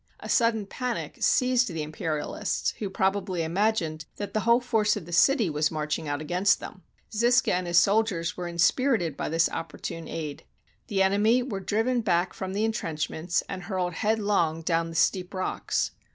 A sudden panic seized the imperialists, who probably imagined that the whole force of the city was marching out against them. Zisca and his soldiers were inspirited by this opportune aid. The enemy were driven back from the intrench ments, and hurled headlong down the steep rocks.